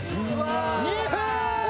２分！